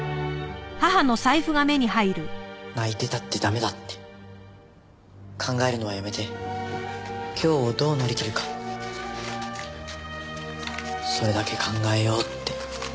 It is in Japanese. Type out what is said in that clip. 泣いてたって駄目だって考えるのはやめて今日をどう乗りきるかそれだけ考えようって。